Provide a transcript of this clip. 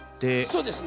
そうですね。